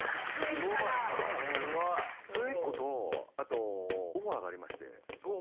すごい。それ１個とあとオファーがありまして。